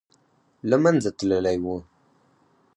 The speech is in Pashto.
له منځه تللی وو.